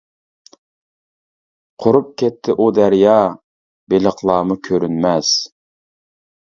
قۇرۇپ كەتتى ئۇ دەريا، بېلىقلارمۇ كۆرۈنمەس.